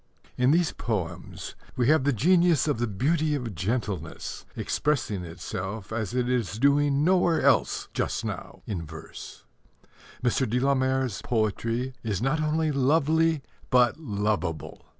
In these poems we have the genius of the beauty of gentleness expressing itself as it is doing nowhere else just now in verse. Mr. de la Mare's poetry is not only lovely, but lovable.